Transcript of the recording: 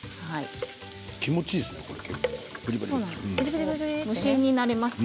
気持ちいいですね、これ。